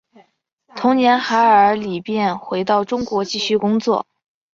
同年韩尔礼便回到中国继续工作。